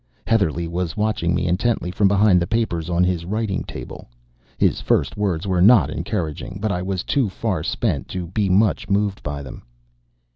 Heatherlegh was watching me intently from behind the papers on his writing table. His first words were not encouraging; but I was too far spent to be much moved by them.